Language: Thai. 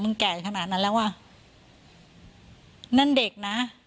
แก่ขนาดนั้นแล้วว่ะนั่นเด็กนะ